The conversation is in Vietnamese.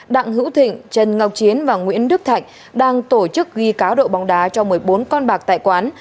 đặng hữu thịnh trần ngọc chiến và nguyễn đức thạnh đang tổ chức ghi cá độ bóng đá cho một mươi bốn con bạc tại quán